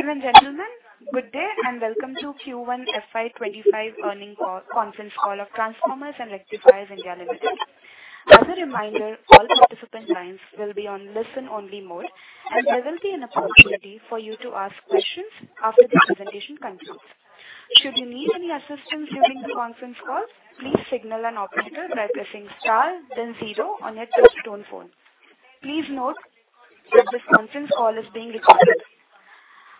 Ladies and gentlemen, good day and welcome to Q1 FY25 earnings conference call of Transformers and Rectifiers India Limited. As a reminder, all participant lines will be on listen-only mode, and there will be an opportunity for you to ask questions after the presentation concludes. Should you need any assistance during the conference call, please signal an operator by pressing star, then zero on your touch-tone phone. Please note that this conference call is being recorded.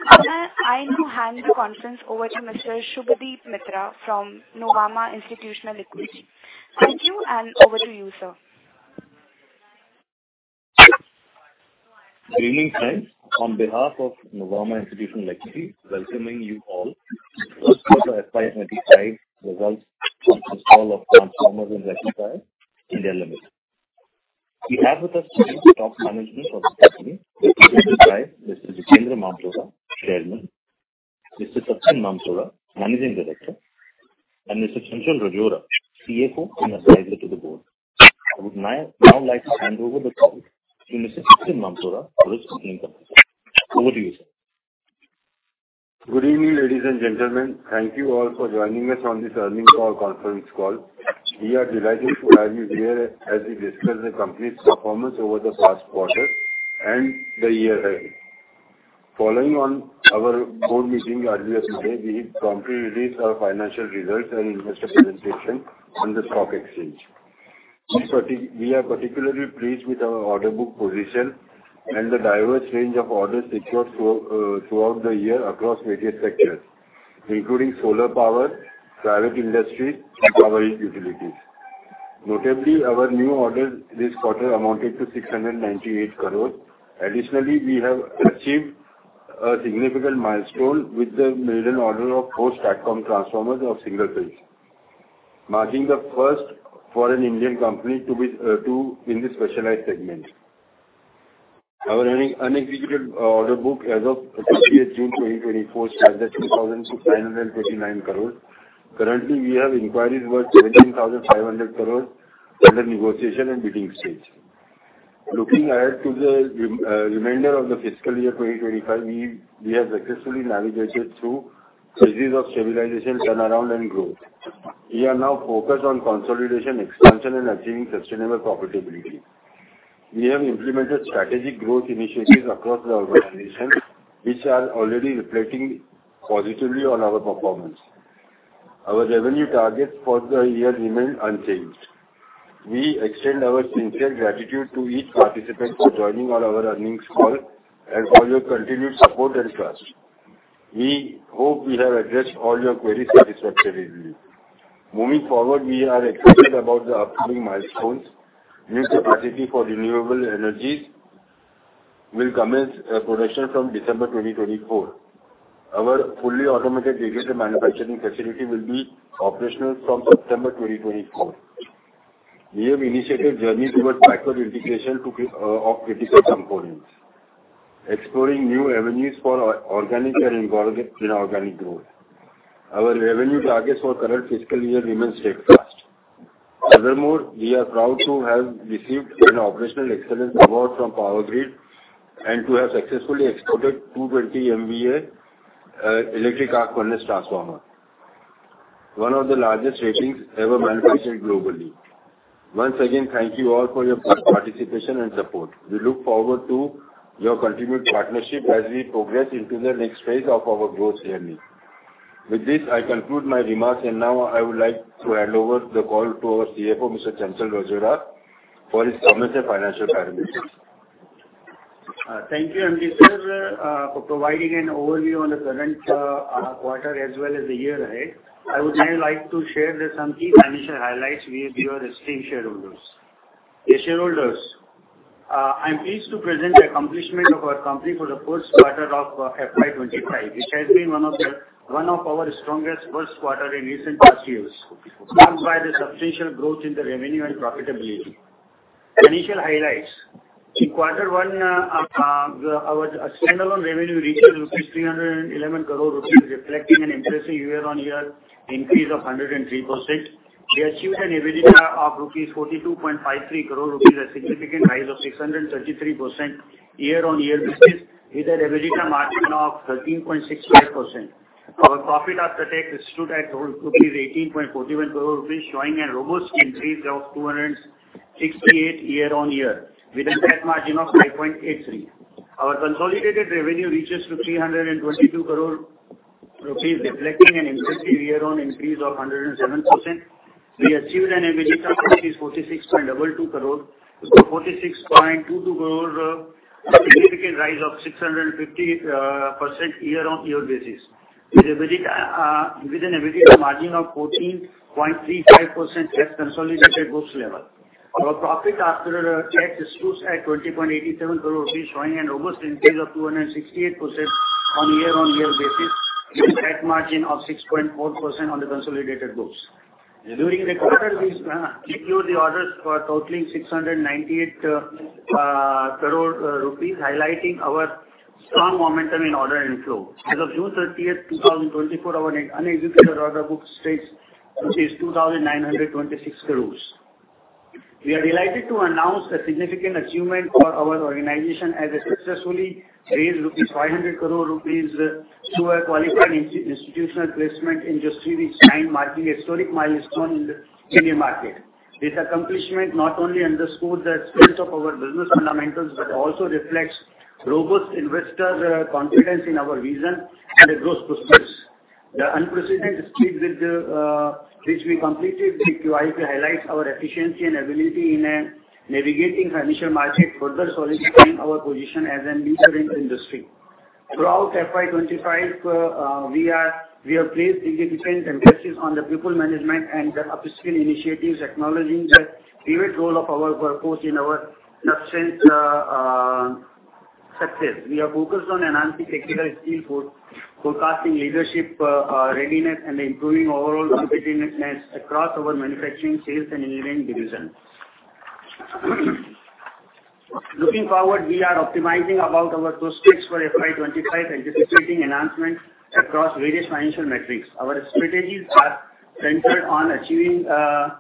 I now hand the conference over to Mr. Subhadip Mitra from Nuvama Institutional Equities. Thank you, and over to you, sir. Good evening, friends. On behalf of Nuvama Institutional Equities, welcoming you all to the first part of FY25 results conference call of Transformers and Rectifiers India Limited. We have with us today the top management of the company, Mr. Subhadip Mitra, Mr. Jitendra Mamtora, Chairman; Mr. Satyen Mamtora, Managing Director; and Mr. Chanchal Rajora, CFO and advisor to the board. I would now like to hand over the call to Mr. Satyen Mamtora for his opening comments. Over to you, sir. Good evening, ladies and gentlemen. Thank you all for joining us on this earnings call conference call. We are delighted to have you here as we discuss the company's performance over the past quarter and the year ahead. Following our board meeting earlier today, we promptly released our financial results and investor presentation on the stock exchange. We are particularly pleased with our order book position and the diverse range of orders secured throughout the year across various sectors, including solar power, private industry, and power utilities. Notably, our new orders this quarter amounted to 698 crores. Additionally, we have achieved a significant milestone with the milestone orders of four stacked core transformers of single phase, marking the first Indian company to be in the specialized segment. Our unexecuted order book as of June 2024 stands at INR 2,929 crores. Currently, we have inquiries worth INR 17,500 crore under negotiation and bidding stage. Looking ahead to the remainder of the fiscal year 2025, we have successfully navigated through phases of stabilization, turnaround, and growth. We are now focused on consolidation, expansion, and achieving sustainable profitability. We have implemented strategic growth initiatives across the organization, which are already reflecting positively on our performance. Our revenue targets for the year remain unchanged. We extend our sincere gratitude to each participant for joining our earnings call and for your continued support and trust. We hope we have addressed all your queries satisfactorily. Moving forward, we are excited about the upcoming milestones. New capacity for renewable energies will commence production from December 2024. Our fully automated vehicle manufacturing facility will be operational from September 2024. We have initiated journey towards micro integration of critical components, exploring new avenues for organic and inorganic growth. Our revenue targets for current fiscal year remain steadfast. Furthermore, we are proud to have received an operational excellence award from Power Grid and to have successfully exported 220 MVA electric arc furnace transformers, one of the largest ratings ever manufactured globally. Once again, thank you all for your participation and support. We look forward to your continued partnership as we progress into the next phase of our growth journey. With this, I conclude my remarks, and now I would like to hand over the call to our CFO, Mr. Chanchal Rajora, for his comments and financial parameters. Thank you, Satyen Mamtora, for providing an overview on the current quarter as well as the year ahead. I would now like to share some key financial highlights with your esteemed shareholders. Dear shareholders, I'm pleased to present the accomplishment of our company for the first quarter of FY25, which has been one of our strongest first quarters in recent past years, marked by the substantial growth in the revenue and profitability. Financial highlights: In quarter one, our standalone revenue reached 311 crores rupees, reflecting an impressive year-on-year increase of 103%. We achieved an EBITDA of 42.53 crores rupees, a significant rise of 633% year-on-year basis, with an EBITDA margin of 13.65%. Our profit after tax stood at rupees 18.41 crores, showing a robust increase of 268% year-on-year, with a net margin of 5.83%. Our consolidated revenue reaches 322 crores rupees, reflecting an impressive year-on-year increase of 107%. We achieved an EBITDA of INR 46.22 crores, a significant rise of 650% year-on-year basis, with an EBITDA margin of 14.35% at consolidated growth level. Our profit after tax stood at 20.87 crores rupees, showing a robust increase of 268% on a year-on-year basis, with a net margin of 6.4% on the consolidated growth. During the quarter, we secured the orders for a totaling 698 crores rupees, highlighting our strong momentum in order inflow. As of June 30, 2024, our unexecuted order book states 2,926 crores. We are delighted to announce a significant achievement for our organization as we successfully raised 500 crores rupees through a qualified institutional placement in just three weeks' time, marking a historic milestone in the Indian market. This accomplishment not only underscores the strength of our business fundamentals but also reflects robust investor confidence in our vision and the growth prospects. The unprecedented speed with which we completed the QIP highlights our efficiency and ability in navigating financial markets, further solidifying our position as a leader in the industry. Throughout FY25, we have placed significant emphasis on the people management and the upskill initiatives, acknowledging the pivotal role of our workforce in our substantial success. We are focused on enhancing technical skills, fostering leadership readiness, and improving overall competitiveness across our manufacturing, sales, and engineering divisions. Looking forward, we are optimizing our prospects for FY25, anticipating enhancements across various financial metrics. Our strategies are centered on achieving a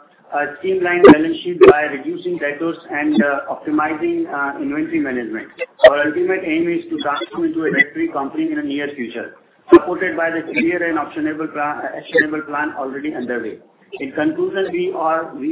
streamlined balance sheet by reducing debtors and optimizing inventory management. Our ultimate aim is to transform into a debt-free company in the near future, supported by the clear and actionable plan already underway. In conclusion, we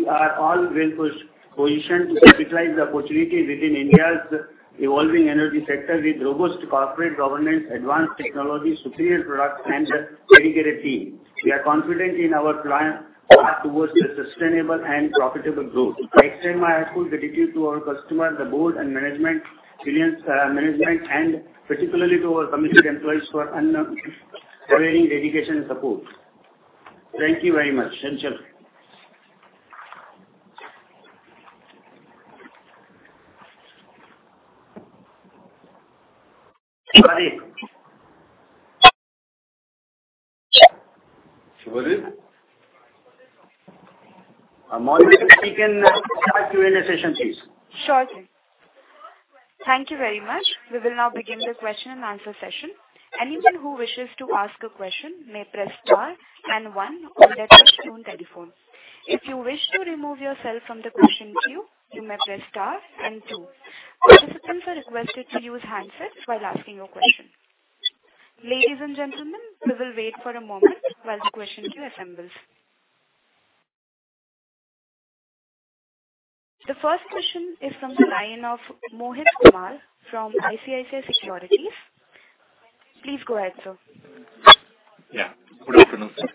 are all well-positioned to capitalize the opportunity within India's evolving energy sector, with robust corporate governance, advanced technology, superior products, and a dedicated team. We are confident in our path towards sustainable and profitable growth. I extend my heartfelt gratitude to our customers, the board, and management, and particularly to our committed employees for unwavering dedication and support. Thank you very much, Chanchal. Subhadip? Amoli, you can start your session, please. Sure, sir. Thank you very much. We will now begin the question-and-answer session. Anyone who wishes to ask a question may press star and one on their touch-tone telephone. If you wish to remove yourself from the question queue, you may press star and two. Participants are requested to use handsets while asking your question. Ladies and gentlemen, we will wait for a moment while the question queue assembles. The first question is from the line of Mohit Kumar from ICICI Securities. Please go ahead, sir. Yeah. Good afternoon, sir.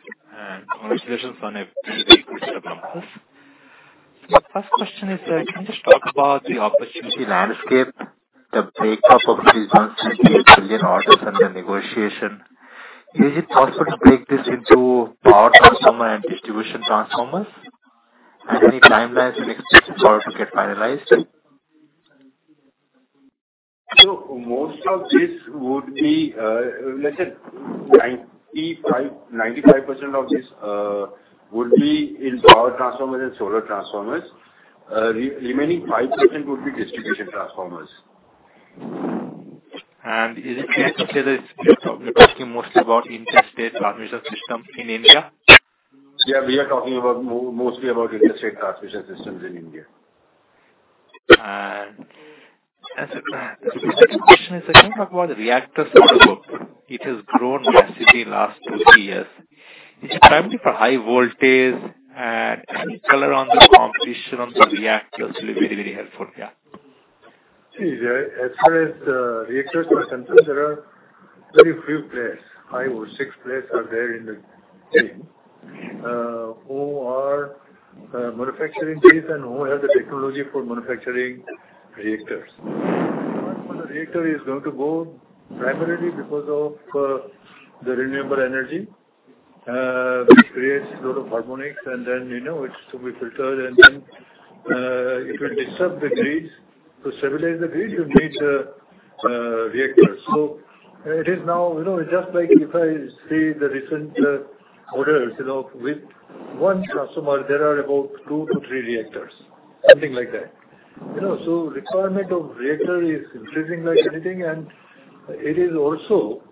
Congratulations on a very good set of numbers. So my first question is, can you just talk about the opportunity landscape, the breakup of these 150 billion orders under negotiation? Is it possible to break this into power transformer and distribution transformers? And any timelines and expectations for it to get finalized? So most of this would be 95% of this would be in power transformers and solar transformers. Remaining 5% would be distribution transformers. Is it clear to say that you're talking mostly about interstate transmission systems in India? Yeah, we are talking mostly about interstate transmission systems in India. The second question is, can you talk about the reactors in the world? It has grown massively in the last 20 years. Is it primarily for high voltage, and any color on the composition of the reactors will be very, very helpful? Yeah. See, as far as reactors are concerned, there are very few players, 5 or 6 players out there in the team who are manufacturing this and who have the technology for manufacturing reactors. One of the reactors is going to go primarily because of the renewable energy, which creates a lot of harmonics, and then it's to be filtered, and then it will disrupt the grid. To stabilize the grid, you need reactors. So it is now just like if I see the recent orders, with one transformer, there are about 2-3 reactors, something like that. So the requirement of reactors is increasing like anything, and it is also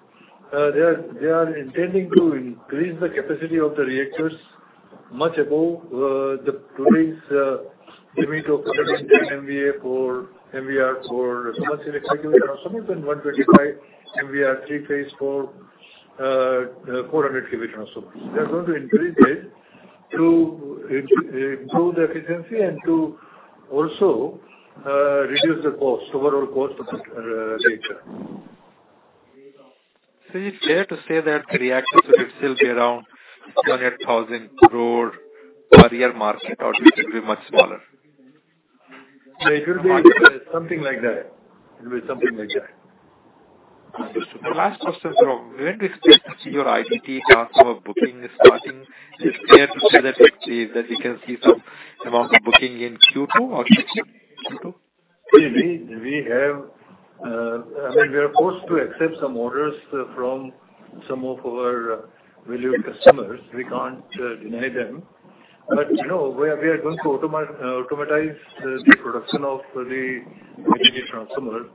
they are intending to increase the capacity of the reactors much above today's limit of 110 MVA for MVA for a small electricity transformer and 125 MVA three-phase for 400 kV transformer. They're going to increase this to improve the efficiency and to also reduce the overall cost of the reactor. Is it fair to say that the reactors will still be around 2000 crore per year market, or this will be much smaller? Yeah, it will be something like that. It will be something like that. Understood. The last question from when do you expect to see your IT transformer booking starting? Is it fair to say that we can see some amount of booking in Q2 or Q3? See, we have I mean, we are forced to accept some orders from some of our valued customers. We can't deny them. But we are going to automate the production of the electric transformer,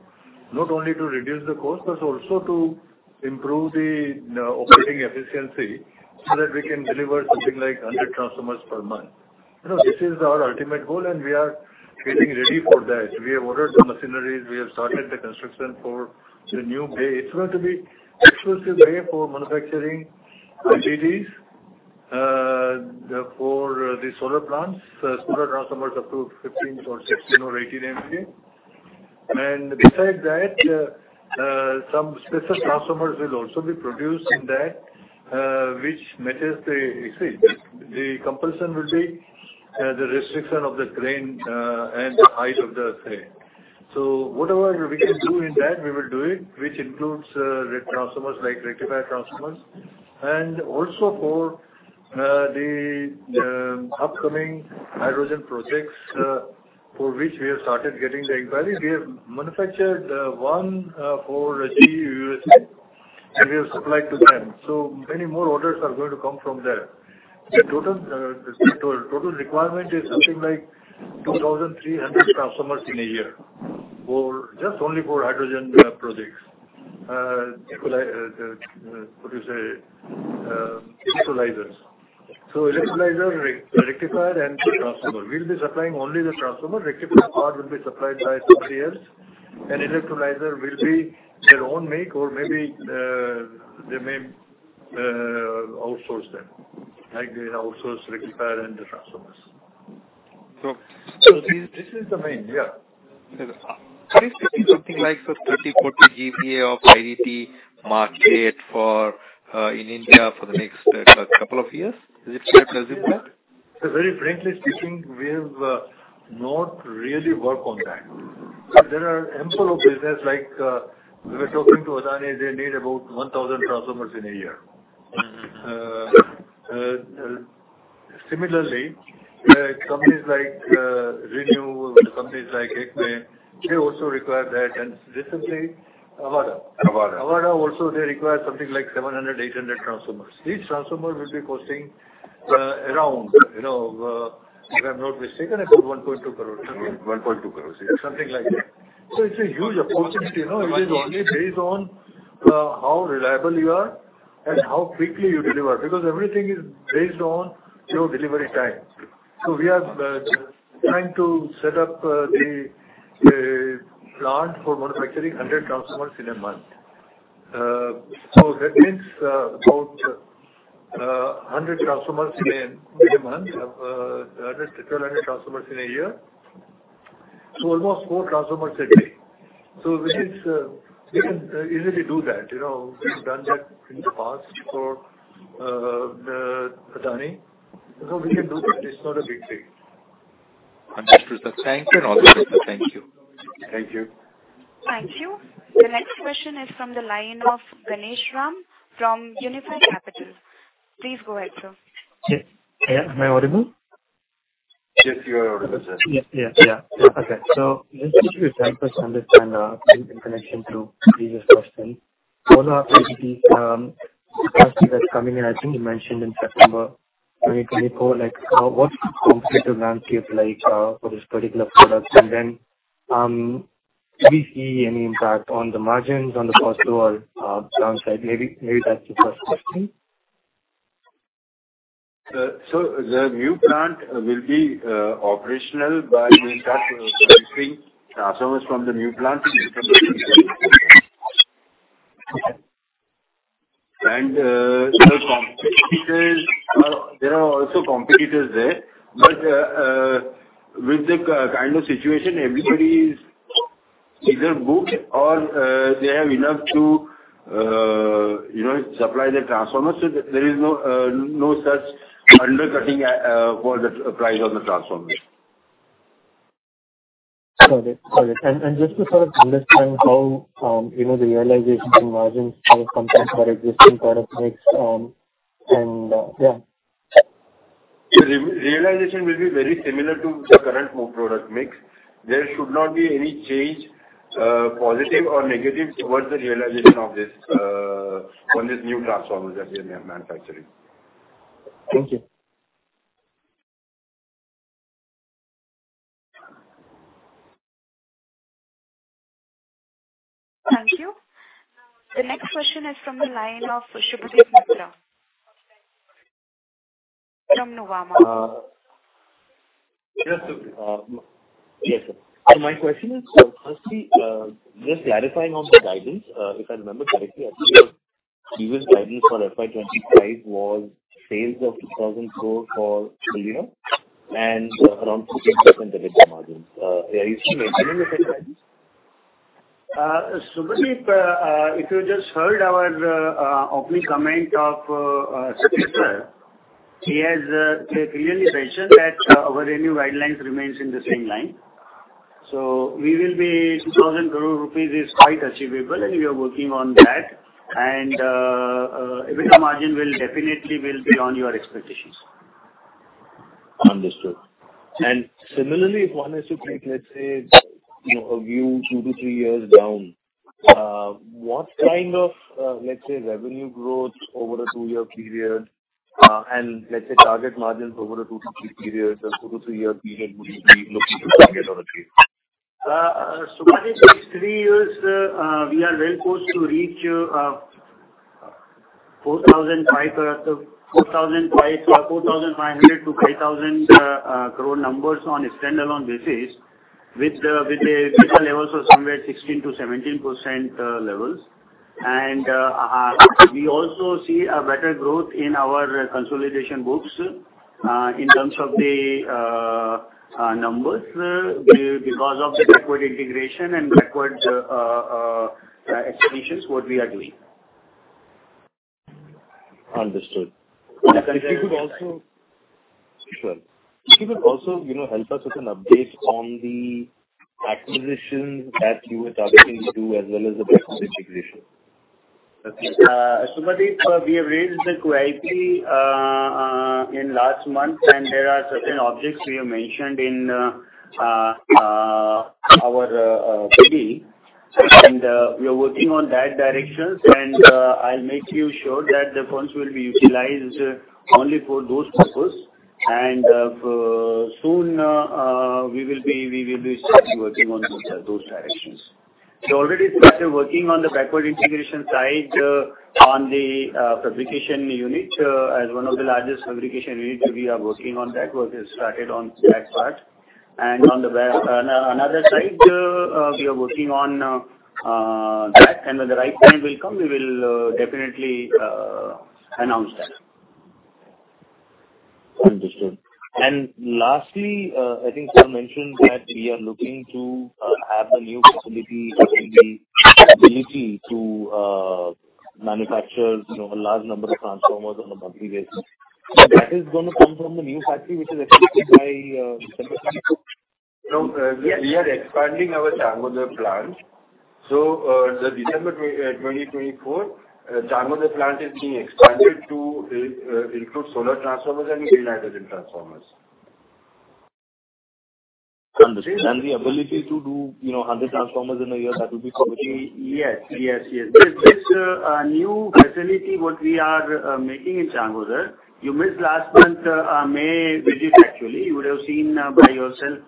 not only to reduce the cost, but also to improve the operating efficiency so that we can deliver something like 100 transformers per month. This is our ultimate goal, and we are getting ready for that. We have ordered the machinery. We have started the construction for the new bay. It's going to be an exclusive bay for manufacturing IDTs for the solar plants, solar transformers up to 15 or 16 or 18 MVA. And besides that, some special transformers will also be produced in that, which matches the exchange. The compulsion will be the restriction of the grain and the height of the thread. So whatever we can do in that, we will do it, which includes rectifier transformers like rectifier transformers. And also for the upcoming hydrogen projects for which we have started getting the inquiry, we have manufactured one for GE USA, and we have supplied to them. So many more orders are going to come from there. The total requirement is something like 2,300 transformers in a year just only for hydrogen projects, what do you say, electrolyzers. So electrolyzer, rectifier, and transformer. We'll be supplying only the transformer. Rectifier part will be supplied by somebody else, and electrolyzer will be their own make, or maybe they may outsource them, like they outsource rectifier and the transformers. So. So this is the main. Yeah.Is it something like 30, 40 GVA of IDT market in India for the next couple of years? Is it fair to assume that? Very frankly speaking, we have not really worked on that. There are ample of business like we were talking to Adani. They need about 1,000 transformers in a year. Similarly, companies like ReNew, companies like ACME, they also require that. And recently, Avaada. Avaada. Avaada also, they require something like 700-800 transformers. Each transformer will be costing around, if I'm not mistaken, about 1.2 crore. 1.2 crores. Something like that. So it's a huge opportunity. It is only based on how reliable you are and how quickly you deliver because everything is based on your delivery time. So we are trying to set up the plan for manufacturing 100 transformers in a month. So that means about 100 transformers in a month, 100-1,200 transformers in a year. So almost four transformers a day. So we can easily do that. We've done that in the past for Adani. So we can do that. It's not a big thing. Understood, sir. Thank you. All the best. Thank you. Thank you. Thank you. The next question is from the line of Ganesh Ram from Unifi Capital. Please go ahead, sir. Yeah. Am I audible? Yes, you are audible, sir. Yeah. Yeah. Yeah. Okay. So just to give you a 10% discount in connection to the previous question, what are the prices that's coming in? I think you mentioned in September 2024, what's the competitive landscape for these particular products? And then do we see any impact on the margins, on the cost, or downside? Maybe that's the first question. The new plant will be operational by we start producing transformers from the new plant in December 2024. There are also competitors there. With the kind of situation, everybody is either booked or they have enough to supply the transformers. There is no such undercutting for the price of the transformers. Got it. Got it. And just to sort of understand how the realization and margins of companies for existing product mix, and yeah. The realization will be very similar to the current product mix. There should not be any change, positive or negative, towards the realization of this new transformer that we are manufacturing. Thank you. Thank you. The next question is from the line of Subhadip Mitra from Nuvama. Yes, sir. So my question is, firstly, just clarifying on the guidance. If I remember correctly, I think your previous guidance for FY25 was sales of 2,000 crore full year and around 15% of it in margins. Are you still maintaining the same guidance? Subhadip, if you just heard our opening comment of Subhadip Mitra, he has clearly mentioned that our revenue guidance remains in the same line. So 2,000 crore rupees is quite achievable, and we are working on that. And the margin will definitely be on your expectations. Understood. Similarly, if one has to take, let's say, a view two to three years down, what kind of, let's say, revenue growth over a two year period and, let's say, target margins over a two to three period, a two to three year period, would you be looking to target or achieve? Shubhdeep, in three years, we are well-poised to reach 4,500-5,000 crore numbers on a standalone basis with the levels of somewhere 16%-17% levels. We also see a better growth in our consolidation books in terms of the numbers because of the backward integration and backward expansions what we are doing. Understood. If you could also help us with an update on the acquisitions that you were targeting to do as well as the backward integration. Okay. Subhadip, we have raised the KYP in last month, and there are certain objects we have mentioned in our committee. We are working on that direction. I'll make you sure that the funds will be utilized only for those purposes. Soon, we will be starting working on those directions. We already started working on the Backward Integration side on the fabrication unit as one of the largest fabrication units we are working on that. We have started on that part. On the another side, we are working on that. When the right time will come, we will definitely announce that. Understood. And lastly, I think sir mentioned that we are looking to have the new facility the ability to manufacture a large number of transformers on a monthly basis. So that is going to come from the new factory, which is expected by December 2024? No. We are expanding our Changodar plant. So the December 2024 Changodar plant is being expanded to include solar transformers and renewable hydrogen transformers. Understood. The ability to do 100 transformers in a year, that will be coming? Yes. Yes. Yes. This new facility what we are making in Changodar, you missed last month May visit, actually. You would have seen by yourself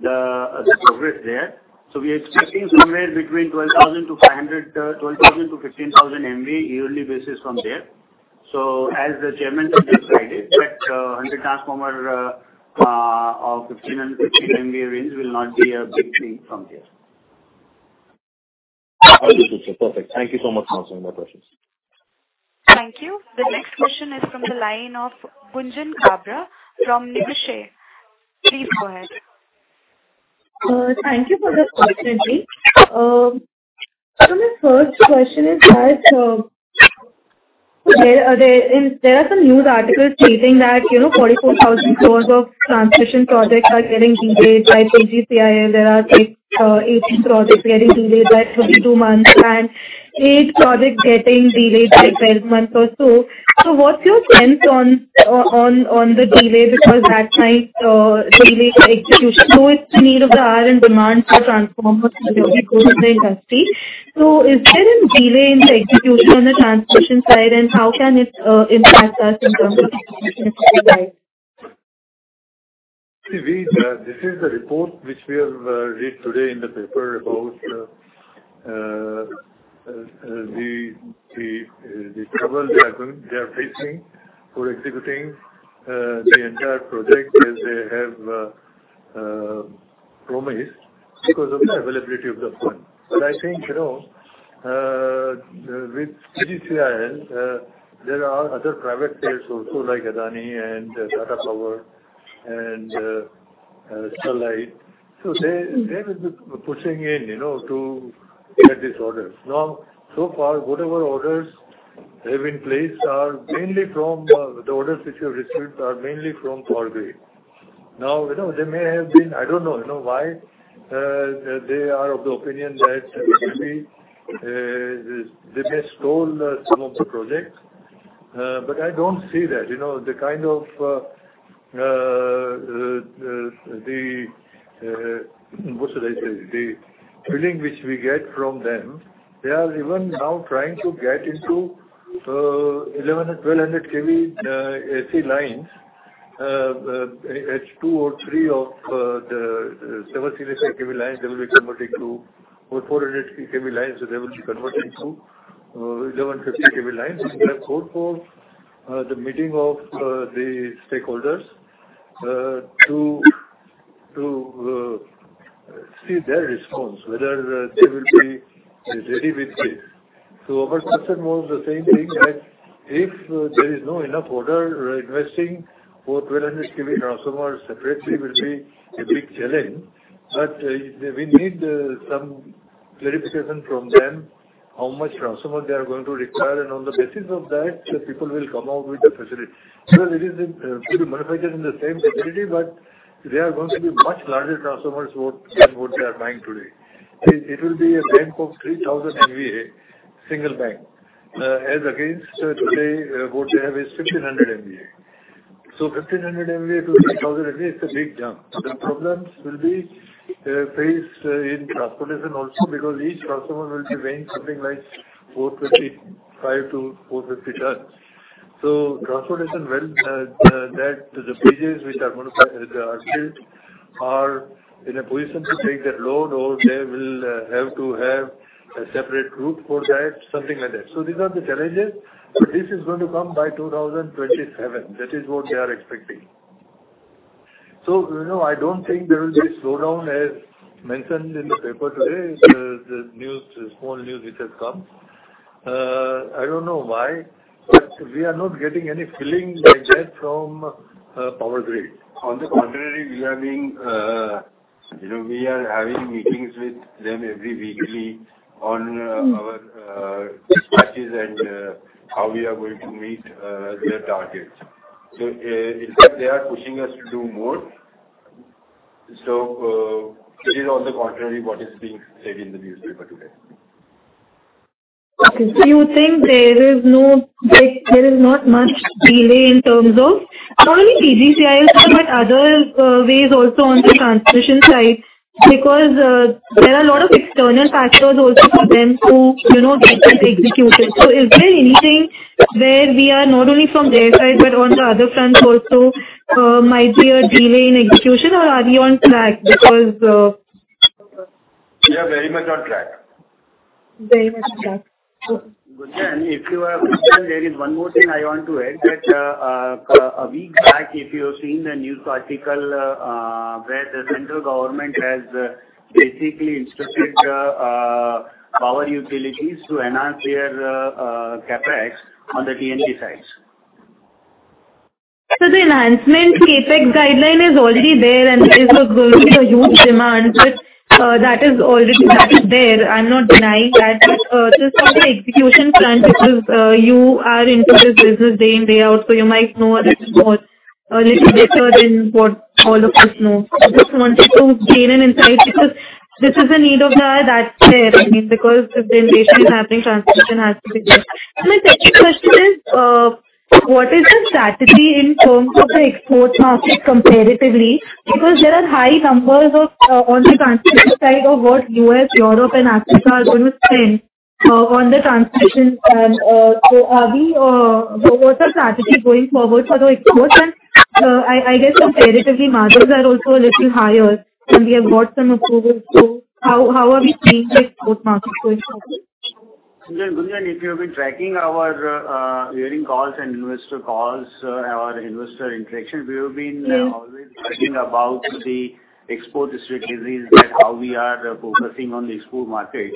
the progress there. So we are expecting somewhere between 12,000-15,000 MVA yearly basis from there. So as the chairman has decided, that 100 transformer of 15 MVA range will not be a big thing from there. Understood, sir. Perfect. Thank you so much for answering my questions. Thank you. The next question is from the line of Gunjan Kabra from Niveshaay. Please go ahead. Thank you for the opportunity. So my first question is that there are some news articles stating that 44,000 crore of transmission projects are getting delayed by PGCIL. There are 18 projects getting delayed by 22 months and 8 projects getting delayed by 12 months or so. So what's your sense on the delay because that might delay the execution? So it's the need of the order and demand for transformers to go to the industry. So is there a delay in the execution on the transmission side, and how can it impact us in terms of execution side? See, this is the report which we have read today in the paper about the trouble they are facing for executing the entire project as they have promised because of the availability of the funds. But I think with PGCIL, there are other private players also like Adani and Tata Power and Sterlite. So they will be pushing in to get these orders. Now, so far, whatever orders have been placed are mainly from the orders which we have received are mainly from PGCIL. Now, they may have been I don't know why they are of the opinion that maybe they may stall some of the projects. But I don't see that. The kind of the what should I say? The billing which we get from them, they are even now trying to get into 1,100, 1,200 kV AC lines. It's two or three of the 760 kV lines. They will be converting to 400 kV lines. They will be converting to 1,150 kV lines. We have called for the meeting of the stakeholders to see their response, whether they will be ready with this. So our concern was the same thing that if there is not enough order investing for 1,200 kV transformers separately will be a big challenge. But we need some clarification from them how much transformer they are going to require. And on the basis of that, people will come out with the facility. Well, it is manufactured in the same facility, but they are going to be much larger transformers than what they are buying today. It will be a bank of 3,000 MVA, single bank. As against today, what they have is 1,500 MVA. So 1,500 MVA to 3,000 MVA is a big jump. The problems will be faced in transportation also because each transformer will be weighing something like 425-450 tons. So transportation, well, that the bridges which are built are in a position to take that load or they will have to have a separate route for that, something like that. So these are the challenges. But this is going to come by 2027. That is what they are expecting. So I don't think there will be a slowdown as mentioned in the paper today, the small news which has come. I don't know why, but we are not getting any feeling like that from Power Grid. On the contrary, we are having meetings with them every week on our dispatches and how we are going to meet their targets. So in fact, they are pushing us to do more. It is on the contrary what is being said in the newspaper today. Okay. So you think there is not much delay in terms of not only PGCIL, sir, but other ways also on the transmission side because there are a lot of external factors also for them to get this executed. So is there anything where we are not only from their side but on the other front also might be a delay in execution, or are we on track because? We are very much on track. Very much on track. Gunjan, if you are comfortable, there is one more thing I want to add that a week back, if you have seen the news article where the central government has basically instructed power utilities to enhance their CAPEX on the T&D sides. So the enhancement CAPEX guideline is already there, and there is going to be a huge demand. That is already there. I'm not denying that. But just on the execution front, because you are into this business day in, day out, so you might know a little bit more than what all of us know. I just wanted to gain an insight because this is a need of the hour that's there. I mean, because if the investment is happening, transmission has to be there. And my second question is, what is the strategy in terms of the export market comparatively? Because there are high numbers on the transmission side of what U.S., Europe, and Africa are going to spend on the transmission. And so what's the strategy going forward for the exports? And I guess comparatively, margins are also a little higher, and we have got some approval. So how are we seeing the export market going forward? Gunjan, if you have been tracking our earnings calls and investor calls, our investor interaction, we have been always talking about the export-specific disease and how we are focusing on the export market.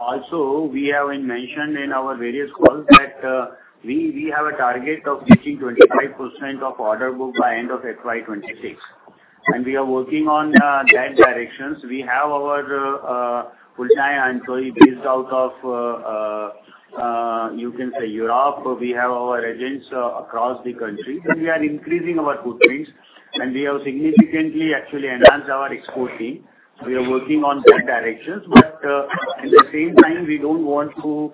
Also, we have mentioned in our various calls that we have a target of reaching 25% of order book by end of FY26. We are working on that direction. We have our full-time employee based out of, you can say, Europe. We have our agents across the country. We are increasing our footprints. We have significantly actually enhanced our export team. We are working on that direction. But at the same time, we don't want to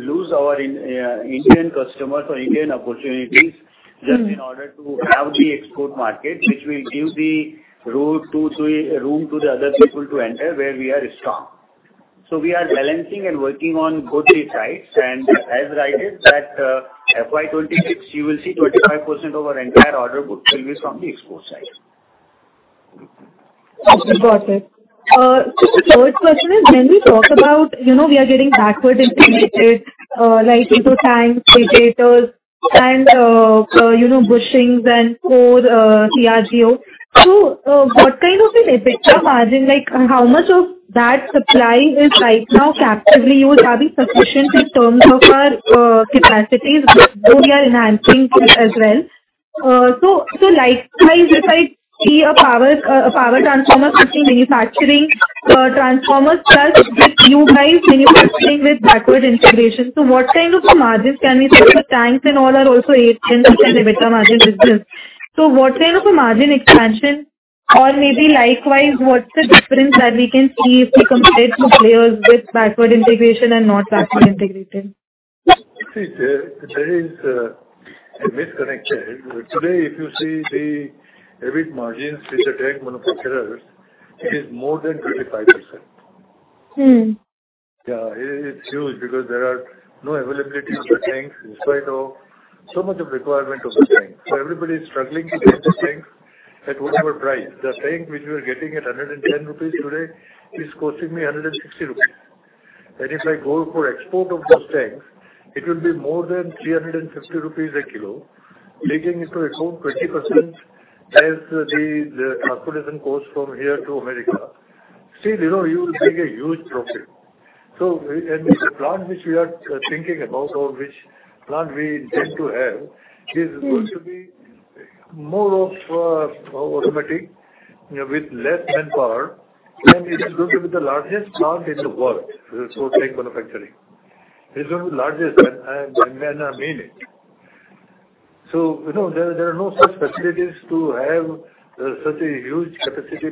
lose our Indian customers or Indian opportunities just in order to have the export market, which will give the room to the other people to enter where we are strong. We are balancing and working on both these sides. As I said, that FY26, you will see 25% of our entire order book will be from the export side. Got it. So the first question is, when we talk about we are getting backward integrated, like tanks, radiators, and bushings, and core CRGO. So what kind of a margin, how much of that supply is right now captively used? Are we sufficient in terms of our capacities? We are enhancing as well. So likewise, if I see a power transformer manufacturing transformers plus with you guys manufacturing with backward integration, so what kind of margins can we see? So tanks and all are also 8%-10% EBITDA margin business. So what kind of a margin expansion? Or maybe likewise, what's the difference that we can see if we compare two players with backward integration and not backward integrated? See, there is a misconnect there. Today, if you see the EBIT margins with the tank manufacturers, it is more than 25%. Yeah, it's huge because there are no availability of the tanks in spite of so much of the requirement of the tanks. So everybody is struggling to get the tanks at whatever price. The tank which we are getting at 110 rupees today is costing me 160 rupees. And if I go for export of those tanks, it will be more than 350 rupees a kilo, taking into account 20% as the transportation cost from here to America. Still, you will take a huge profit. So the plant which we are thinking about or which plant we intend to have is going to be more of automatic with less manpower. And it is going to be the largest plant in the world for tank manufacturing. It is going to be the largest, and I mean it. There are no such facilities to have such a huge capacity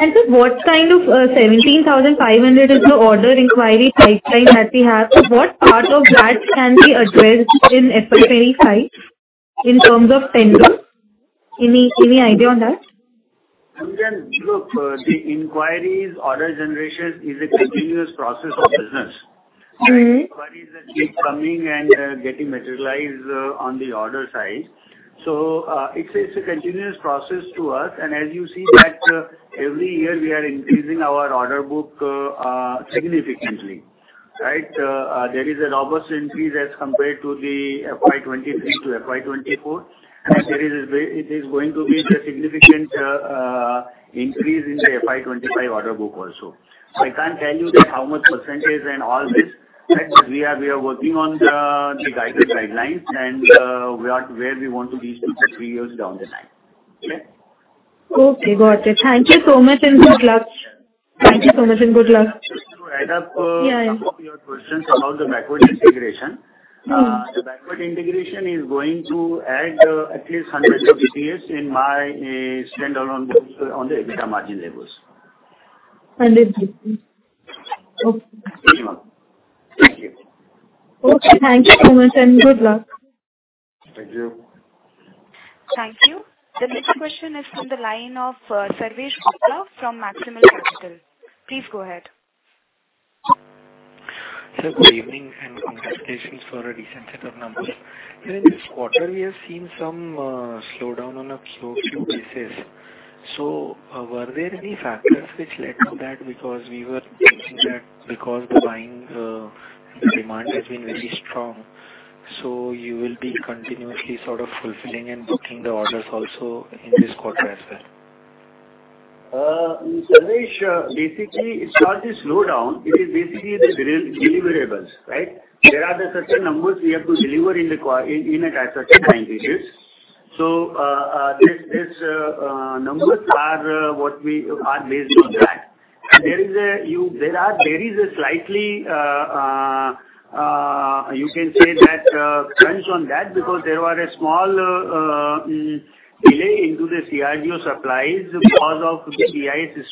plant for manufacturing transformer tanks. Okay. What kind of 17,500 is the order inquiry pipeline that we have? What part of that can be addressed in FY25 in terms of tenders? Any idea on that? Look, the inquiries, order generation is a continuous process of business. The inquiries that keep coming and getting materialized on the order side. So it's a continuous process to us. And as you see that every year, we are increasing our order book significantly, right? There is a robust increase as compared to the FY23 to FY24. And there is going to be a significant increase in the FY25 order book also. I can't tell you how much percentage and all this. But we are working on the guidance guidelines and where we want to be in two to three years down the line. Okay? Okay. Got it. Thank you so much, and good luck. Thank you so much, and good luck. I have a couple of questions about the backward integration. The backward integration is going to add at least 100 basis points in my standalone books on the EBITDA margin levels. 100 GPS. Okay. Thank you. Okay. Thank you so much, and good luck. Thank you. Thank you. The next question is from the line of Sarvesh Gupta from Maximal Capital. Please go ahead. Sir, good evening and congratulations for a recent set of numbers. During this quarter, we have seen some slowdown on a few bases. Were there any factors which led to that? Because we were thinking that because the buying demand has been very strong, so you will be continuously sort of fulfilling and booking the orders also in this quarter as well. Sarvesh, basically, it's not a slowdown. It is basically the deliverables, right? There are the certain numbers we have to deliver in at a certain time period. So these numbers are what we are based on that. And there is a slightly, you can say, that crunch on that because there was a small delay into the CRGO supplies because of the BIS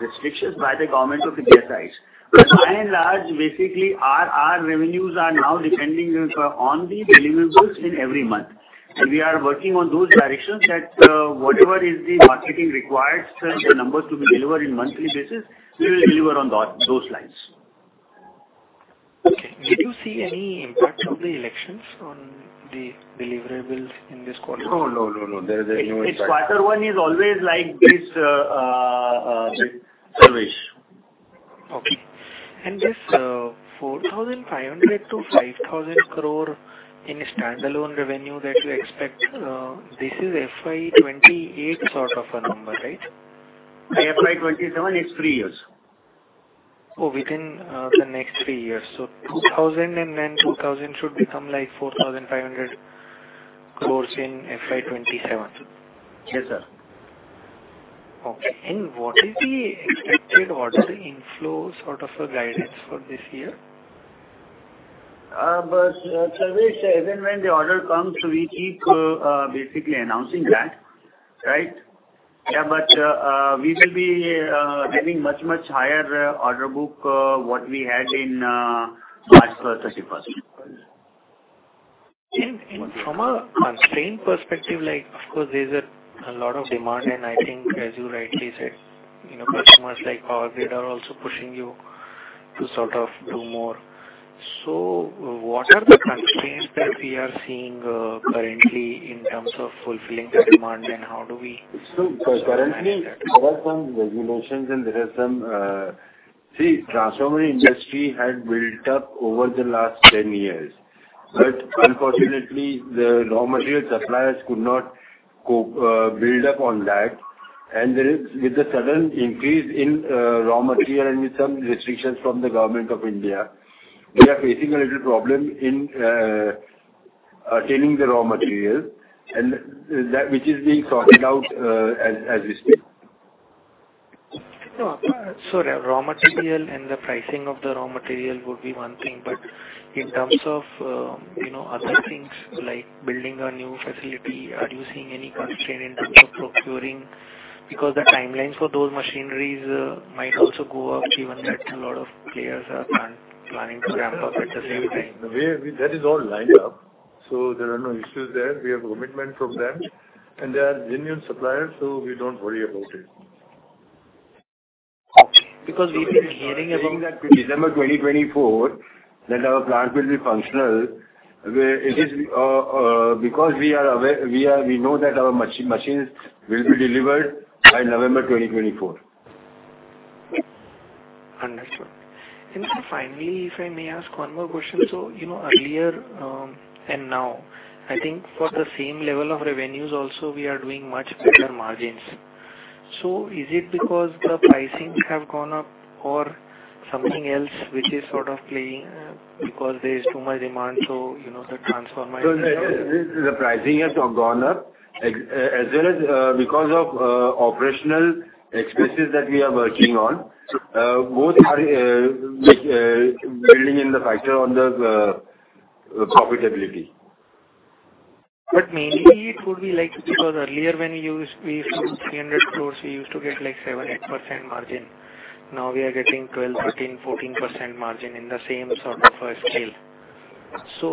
restrictions by the government on the BIS. But by and large, basically, our revenues are now depending on the deliverables in every month. And we are working on those directions that whatever is the marketing requires, the numbers to be delivered on a monthly basis, we will deliver on those lines. Okay. Did you see any impact of the elections on the deliverables in this quarter? No, no, no, no. There is no impact.It's quarter one is always like this, Sarvesh. Okay. And this 4,500 crore-5,000 crore in standalone revenue that you expect, this is FY28 sort of a number, right? FY27 is three years. Oh, within the next three years. So 2,000 crore and then 2,000 crore should become like 4,500 crore in FY27. Yes, sir. Okay. And what is the expected order inflows sort of a guidance for this year? But Sarvesh, even when the order comes, we keep basically announcing that, right? Yeah, but we will be having much, much higher order book what we had in March 31st. From a constraint perspective, of course, there's a lot of demand. I think, as you rightly said, customers like Power Grid are also pushing you to sort of do more. What are the constraints that we are seeing currently in terms of fulfilling the demand, and how do we address that? Currently, there are some regulations, and there are some, the transformer industry has built up over the last 10 years. But unfortunately, the raw material suppliers could not build up on that. And with the sudden increase in raw material and with some restrictions from the Government of India, we are facing a little problem in attaining the raw material, which is being sorted out as we speak. So raw material and the pricing of the raw material would be one thing. But in terms of other things like building a new facility, are you seeing any constraint in terms of procuring? Because the timelines for those machineries might also go up given that a lot of players are planning to ramp up at the same time. That is all lined up. So there are no issues there. We have commitment from them. And they are genuine suppliers, so we don't worry about it. Okay. Because we've been hearing about. December 2024 that our plant will be functional. Because we know that our machines will be delivered by November 2024. Understood. And finally, if I may ask one more question. So earlier and now, I think for the same level of revenues also, we are doing much better margins. So is it because the pricings have gone up or something else which is sort of playing because there is too much demand, so the transformer is? The pricing has gone up as well as because of operational expenses that we are working on. Both are building in the factor on the profitability. But mainly, it would be like because earlier when we used to do 300 crore, we used to get like 7% margin. Now we are getting 12%, 13%, 14% margin in the same sort of a scale. So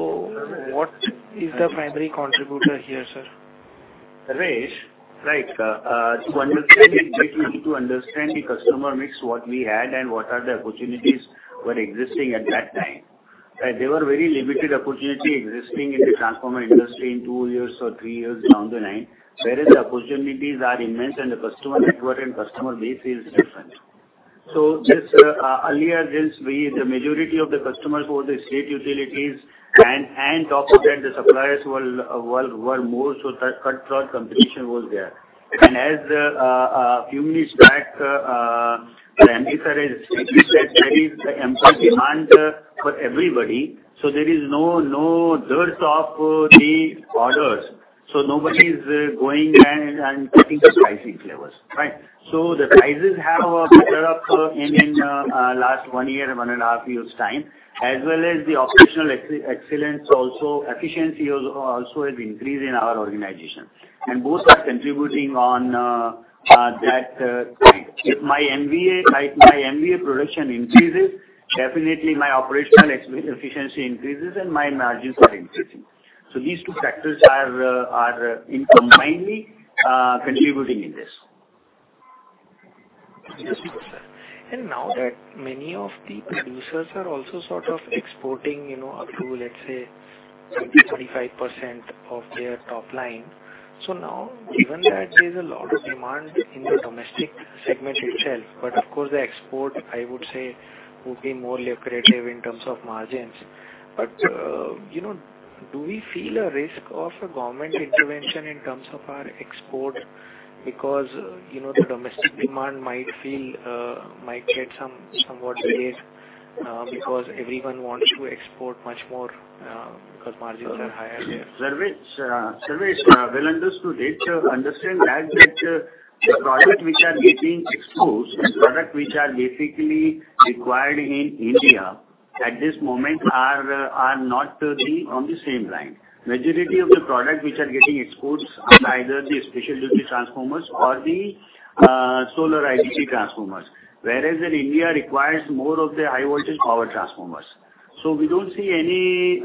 what is the primary contributor here, sir? Sarvesh, right, to understand the customer mix, what we had and what the opportunities were existing at that time. There were very limited opportunities existing in the transformer industry in two years or three years down the line, whereas the opportunities are immense and the customer network and customer base is different. So earlier, the majority of the customers were the state utilities, and top of that, the suppliers were more, so the cut-throat competition was there. And as a few minutes back, the MD sir has stated that there is the enormous demand for everybody, so there is no dearth of the orders. So nobody is going and cutting the pricing levels, right? So the prices have a better up in the last one year, 1.5 years' time, as well as the operational excellence. Also, efficiency also has increased in our organization. Both are contributing on that. My MVA production increases, definitely my operational efficiency increases, and my margins are increasing. These two factors are combinedly contributing in this. Understood, sir. And now that many of the producers are also sort of exporting up to, let's say, 20%-25% of their top line, so now, given that there's a lot of demand in the domestic segment itself, but of course, the export, I would say, would be more lucrative in terms of margins. But do we feel a risk of a government intervention in terms of our export? Because the domestic demand might get somewhat delayed because everyone wants to export much more because margins are higher there. Sarvesh, I will understand that the products which are getting exposed, the products which are basically required in India at this moment are not on the same line. The majority of the products which are getting exposed are either the specialty transformers or the solar IDT transformers, whereas India requires more of the high-voltage power transformers. So we don't see any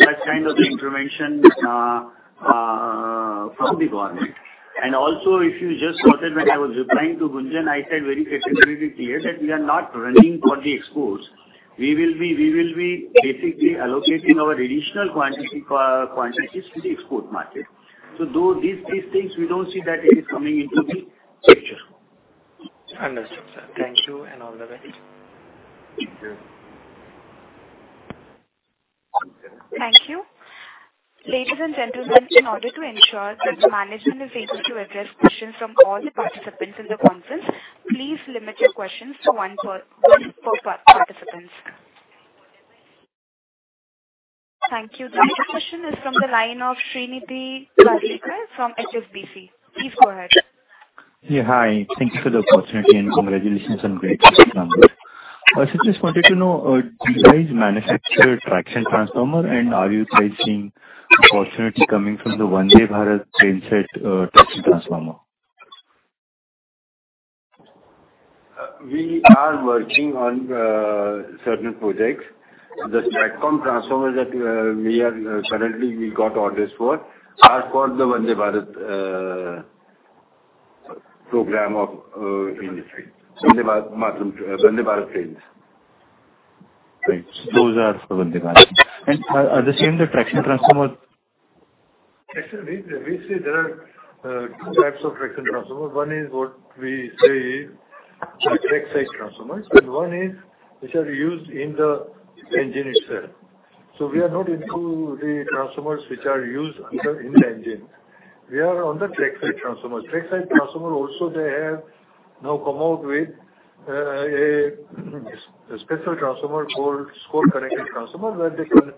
such kind of intervention from the government. And also, if you just noted, when I was replying to Gunjan, I said very categorically that we are not running for the exports. We will be basically allocating our additional quantities to the export market. So these things, we don't see that it is coming into the picture. Understood, sir. Thank you and all the best. Thank you. Thank you. Ladies and gentlemen, in order to ensure that the management is able to address questions from all the participants in the conference, please limit your questions to one per participant. Thank you. The next question is from the line of Srinidhi Karlekar from HSBC. Please go ahead. Yeah, hi. Thank you for the opportunity and congratulations on great numbers. I just wanted to know, do you guys manufacture Traction Transformer? And are you guys seeing opportunity coming from the Vande Bharat train set Traction Transformer? We are working on certain projects. The platform transformers that we have currently got orders for are for the Vande Bharat program of Indian Railways, Vande Bharat trains. Those are for Vande Bharat. And are the same the traction transformer? Actually, there are two types of traction transformers. One is what we say is track-side transformers, and one is which are used in the engine itself. So we are not into the transformers which are used in the engine. We are on the track-side transformers. Track-side transformers also, they have now come out with a special transformer called Scott-connected transformer where they can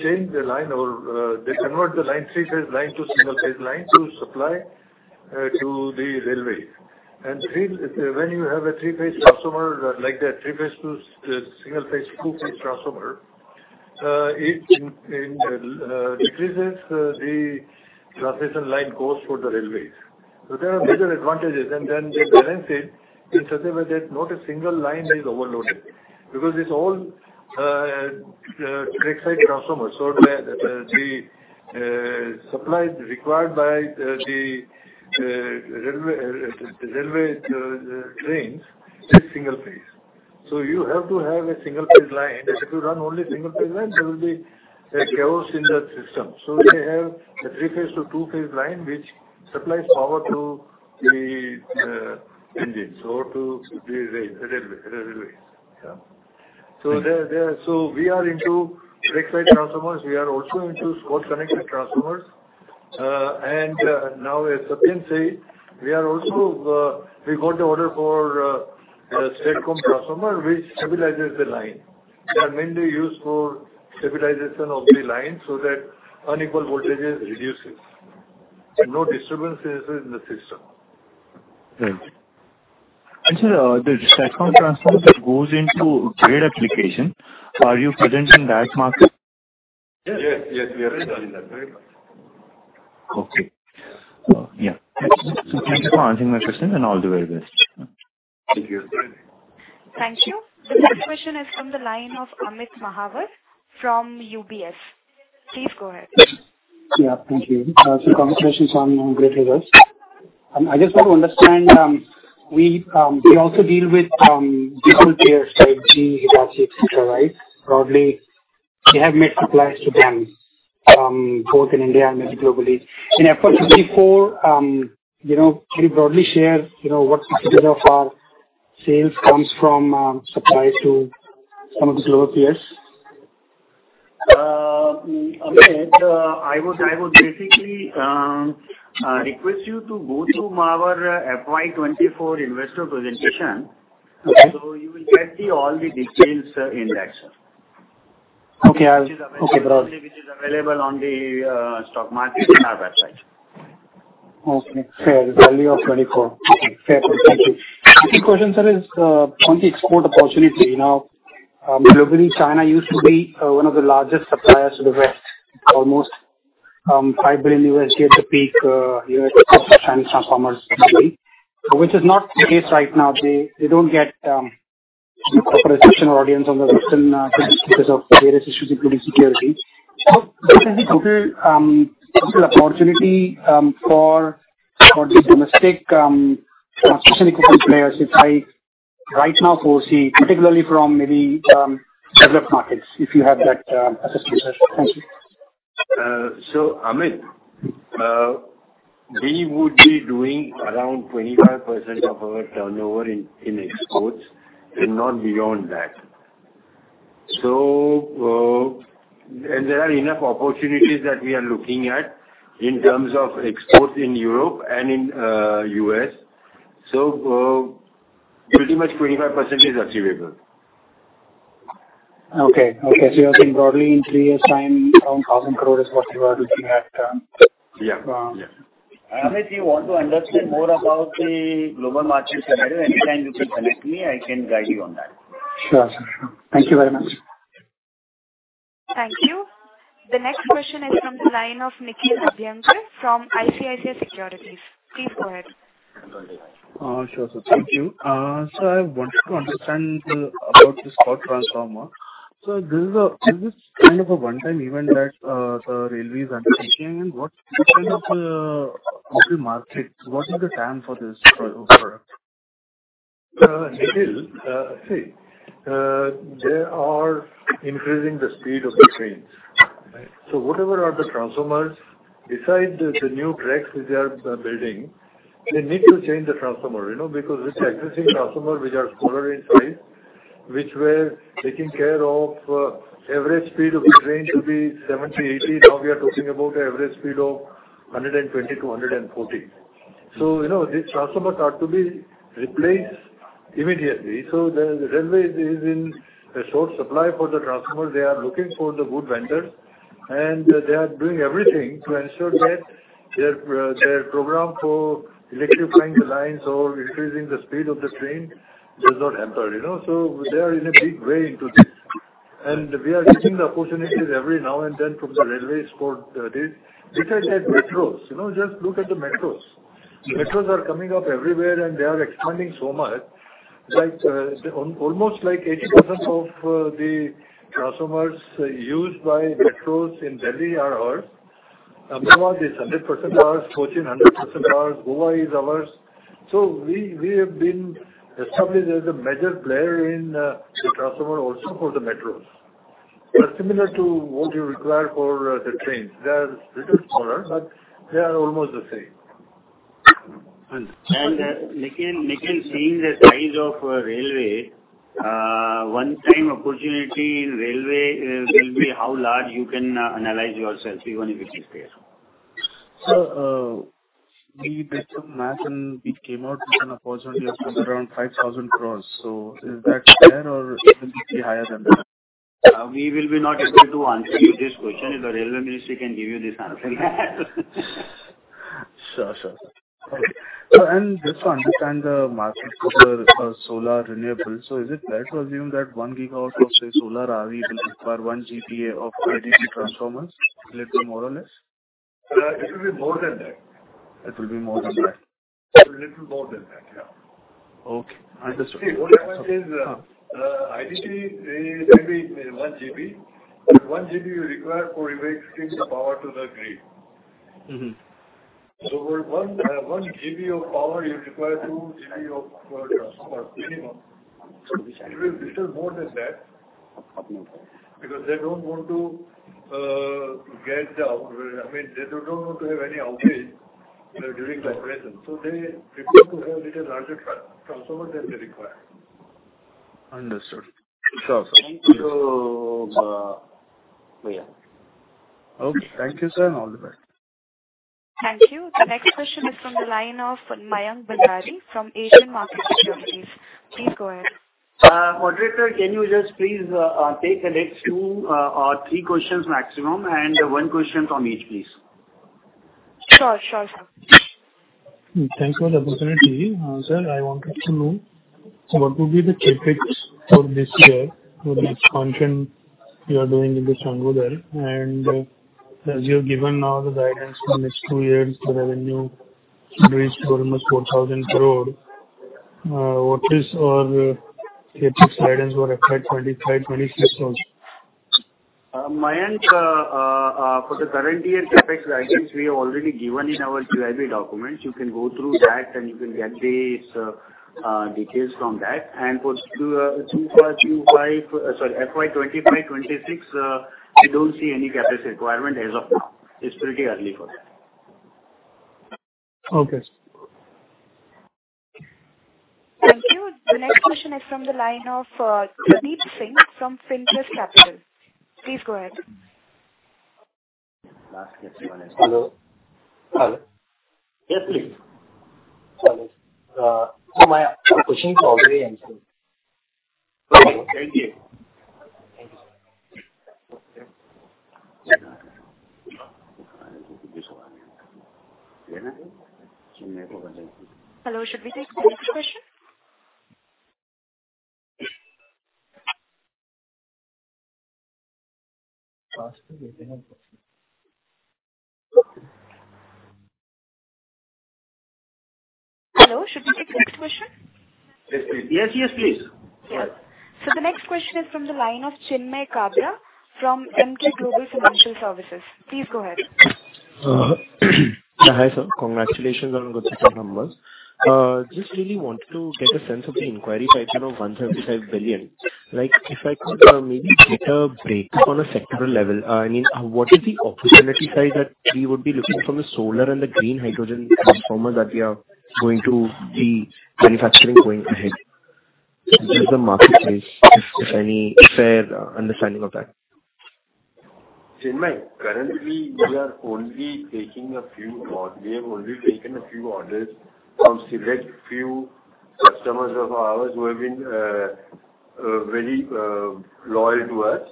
change the line or they convert the line three-phase line to single-phase line to supply to the railway. And when you have a three-phase transformer like that, three-phase to single-phase two-phase transformer, it decreases the transmission line cost for the railways. So there are major advantages. And then they balance it in such a way that not a single line is overloaded because it's all track-side transformers. So the supply required by the railway trains is single-phase. So you have to have a single-phase line. And if you run only single-phase line, there will be a chaos in the system. So they have a three-phase to two-phase line which supplies power to the engines or to the railways. So we are into track-side transformers. We are also into Scott-connected transformers. And now, as Sarvesh said, we got the order for a STATCOM transformer which stabilizes the line. They are mainly used for stabilization of the line so that unequal voltages reduce it. No disturbances in the system. And sir, the STATCOM transformer that goes into grid application, are you presenting that market? Yes, yes, we are presenting that very much. Okay. Yeah. Thank you for answering my question, and all the very best. Thank you. Thank you. The next question is from the line of Amit Mahawar from UBS. Please go ahead. Yeah, thank you. So congratulations on great results. I just want to understand, we also deal with local players like GE Hitachi, etc., right? Broadly, they have made supplies to them both in India and maybe globally. In FY24, can you broadly share what percentage of our sales comes from supplies to some of the global players? Amit, I would basically request you to go to our FY2024 investor presentation. You will get all the details in that, sir. Okay. Okay, brother. Which is available on the stock market on our website. Okay. Fair. Value of 24. Okay. Fair. Thank you. The question, sir, is on the export opportunity. Now, globally, China used to be one of the largest suppliers to the West, almost $5 billion at the peak of Chinese transformers, which is not the case right now. They don't get proper attention or audience on the Western because of various issues, including security. So what is the opportunity for the domestic special equipment players if I right now foresee, particularly from maybe developed markets, if you have that assessment, sir? Thank you. So Amit, we would be doing around 25% of our turnover in exports and not beyond that. There are enough opportunities that we are looking at in terms of exports in Europe and in the U.S., So pretty much 25% is achievable. Okay. Okay. So you're saying broadly in three years' time, around 1,000 crore is what you are looking at? Yeah. Yeah. Amit, you want to understand more about the global market scenario. Anytime you can connect me, I can guide you on that. Sure, sir. Thank you very much. Thank you. The next question is from the line of Nikhil Abhyankar from ICICI Securities. Please go ahead. Sure, sir. Thank you. So I wanted to understand about the Scott transformer. So this is kind of a one-time event that the railways are taking. And what kind of local market? What is the demand for this product? Nikhil, see, they are increasing the speed of the trains. So whatever are the transformers, besides the new tracks which they are building, they need to change the transformer because with the existing transformer which are smaller in size, which were taking care of average speed of the train to be 70-80, now we are talking about an average speed of 120-140. So these transformers are to be replaced immediately. So the railways is in short supply for the transformers. They are looking for the good vendors, and they are doing everything to ensure that their program for electrifying the lines or increasing the speed of the train does not happen. So they are in a big way into this. And we are getting the opportunities every now and then from the railways for this. Look at that metros. Just look at the metros. Metros are coming up everywhere, and they are expanding so much. Almost like 80% of the transformers used by metros in Delhi are ours. Ahmedabad is 100% ours, Cochin 100% ours, Goa is ours. So we have been established as a major player in the transformer also for the metros. But similar to what you require for the trains, they are a little smaller, but they are almost the same. And Nikhil, seeing the size of railway, one-time opportunity in railway will be how large you can analyze yourself, even if it is there. We did some math, and it came out with an opportunity of around 5,000 crore. So is that fair, or will it be higher than that? We will not be able to answer you this question. The railway ministry can give you this answer. Sure, sure. And just to understand the market for solar renewables, so is it fair to assume that one GW of solar PV will require one GVA of IDT transformers? A little more or less? It will be more than that. It will be more than that? A little more than that, yeah. Okay. Understood. IDT, maybe 1 GW. 1 GW you require for rewiring the power to the grid. So 1 GW of power, you require two GW of transformer, minimum. It will be little more than that because they don't want to get the outage. I mean, they don't want to have any outage during the operation. So they prefer to have a little larger transformer than they require. Understood. Sure, sure. So yeah. Okay. Thank you, sir. All the best. Thank you. The next question is from the line of Mayank Bhandari from Asian Market Securities. Please go ahead. Moderator, can you just please take the next two or three questions maximum and one question on each, please? Sure, sure, sir. Thanks for the opportunity. Sir, I wanted to know what would be the CapEx for this year, for the expansion you are doing in Changodar. And as you have given now the guidance for the next two years, the revenue reached almost INR 4,000 crore. What is our CapEx guidance for FY25, FY26 also? Mayank, for the current year CapEx guidance, we have already given in our QIP documents. You can go through that, and you can get these details from that. And for FY25, sorry, FY25, 26, we don't see any CapEx requirement as of now. It's pretty early for that. Okay. Thank you. The next question is from the line of Sandeep Singh from Fin trust Capital. Please go ahead. Last question. Hello. Hello. Yes, please. Hello. So my question is already answered. Thank you. Thank you, sir. Hello. Should we take the next question? Pastor? Hello. Should we take the next question? Yes, please. Yes, yes, please. Yes. So the next question is from the line of Chinmay Gandre from Emkay Global Financial Services. Please go ahead. Yeah, hi, sir. Congratulations on the successful numbers. Just really wanted to get a sense of the inquiry pipeline of 175 billion. If I could maybe take a break on a sectoral level, I mean, what is the opportunity side that we would be looking from the solar and the green hydrogen transformer that we are going to be manufacturing going ahead? What is the marketplace, if any, fair understanding of that? Chinmay, currently, we are only taking a few calls. We have only taken a few orders from select few customers of ours who have been very loyal to us.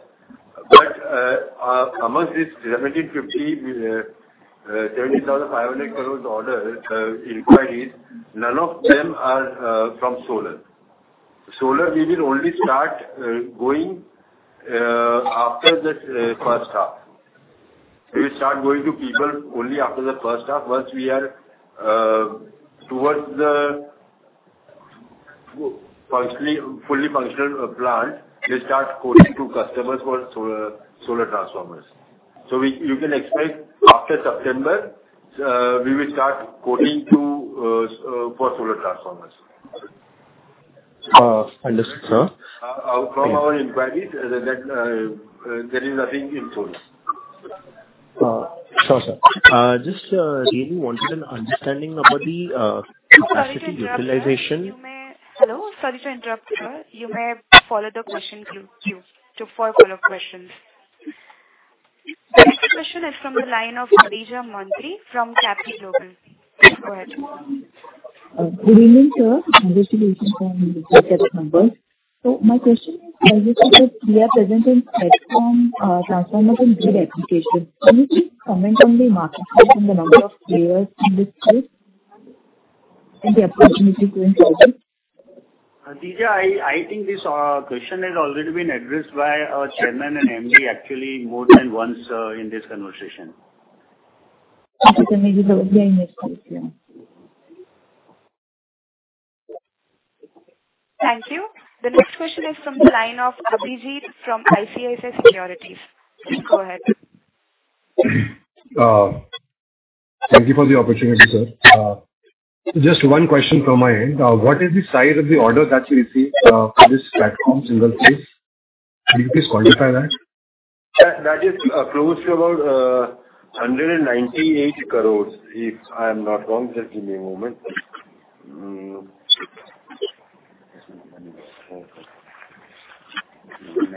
But among these INR 1,750 crore, INR 70,500 crore order inquiries, none of them are from solar. Solar, we will only start going after the first half. We will start going to people only after the first half. Once we are towards the fully functional plant, we start quoting to customers for solar transformers. So you can expect after September, we will start quoting for solar transformers. Understood, sir. From our inquiries, there is nothing in solar. Sure, sir. Just really wanted an understanding about the capacity utilization. Hello. Sorry to interrupt, sir. You may follow the question queue for a follow-up questions. The next question is from the line of Deja Mantri from Capital Global. Please go ahead. Good evening, sir. Congratulations on the successful numbers. So my question is, as you said, we are presenting transformers in grid application. Can you please comment on the marketplace and the number of players in this space and the opportunity to invest it? Deja, I think this question has already been addressed by Chairman and MD, actually, more than once in this conversation. Thank you, sir. Maybe that would be my next question. Thank you. The next question is from the line of Abhijit from ICICI Securities. Please go ahead. Thank you for the opportunity, sir. Just one question from my end. What is the size of the order that you received for this platform, single phase? Can you please quantify that? That is close to about 198 crores, if I am not wrong. Just give me a moment. So I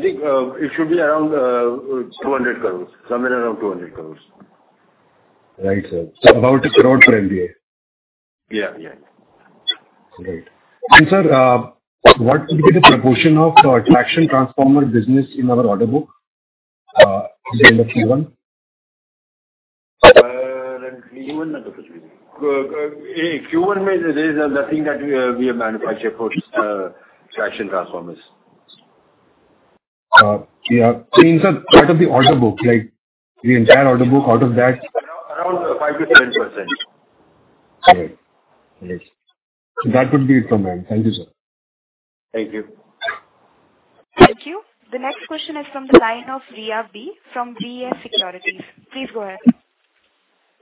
think it should be around 200 crores, somewhere around 200 crores. Right, sir. So about 1 crore per MVA? Yeah, yeah, yeah. Great. Sir, what would be the proportion of Traction Transformer business in our order book? Is there an option one? Q1 or Q3? Q1, there is nothing that we have manufactured for traction transformers. Yeah. I mean, sir, out of the order book, the entire order book, out of that? Around 5%-10%. Great. Yes. That would be it from my end. Thank you, sir. Thank you. Thank you. The next question is from the line of Riya B. from GS Securities. Please go ahead.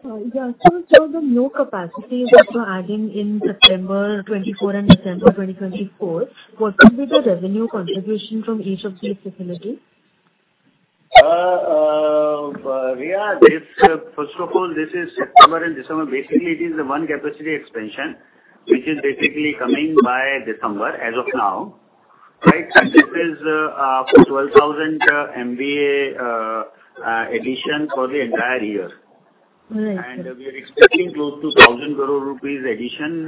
Yeah. So the new capacity that we're adding in September 2024 and December 2024, what would be the revenue contribution from each of these facilities? Riya, first of all, this is September and December. Basically, it is a one-capacity expansion, which is basically coming by December as of now. Right? This is a 12,000 MVA addition for the entire year. And we are expecting close to 1,000 crore rupees addition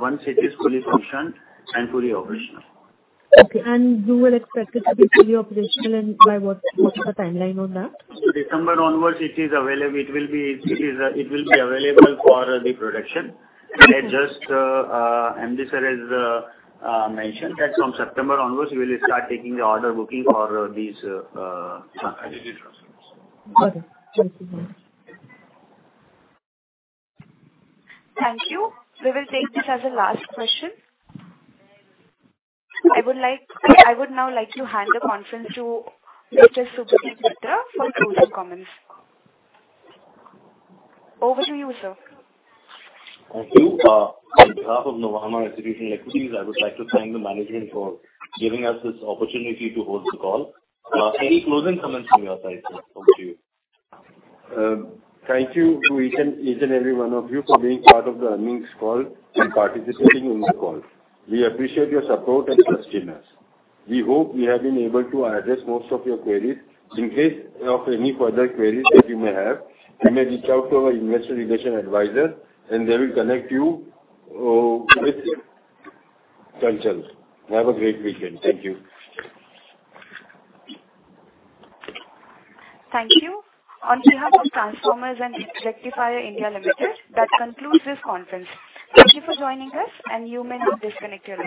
once it is fully functioned and fully operational. Okay. And you will expect it to be fully operational by what? Is the timeline on that? December onwards, it will be available for the production. Just MD, sir, as mentioned, that from September onwards, we will start taking the order booking for these transformers. Okay. Thank you so much. Thank you. We will take this as a last question. I would now like to hand the conference to Mr. Subhadip Mitra for closing comments. Over to you, sir. Thank you. On behalf of Nuvama Institutional Equities, I would like to thank the management for giving us this opportunity to hold the call. Any closing comments from your side, sir? Over to you. Thank you, each and every one of you, for being part of the earnings call and participating in the call. We appreciate your support and trust in us. We hope we have been able to address most of your queries. In case of any further queries that you may have, you may reach out to our investor relation advisor, and they will connect you with Chanchal. Have a great weekend. Thank you. Thank you. On behalf of Transformers and Rectifiers India Limited, that concludes this conference. Thank you for joining us, and you may now disconnect your.